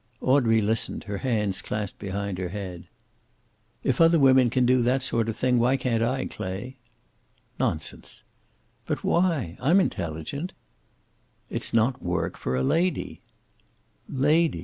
Audrey listened, her hands clasped behind her head. "If other women can do that sort of thing, why can't I, Clay?" "Nonsense." "But why? I'm intelligent." "It's not work for a lady." "Lady!